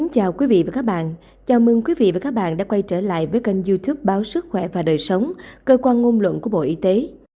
chào mừng quý vị và các bạn đã quay trở lại với kênh youtube báo sức khỏe và đời sống cơ quan ngôn luận của bộ y tế